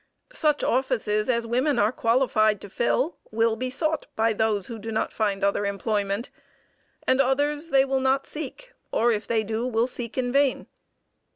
Such offices as women are qualified to fill will be sought by those who do not find other employment, and others they will not seek, or if they do, will seek in vain.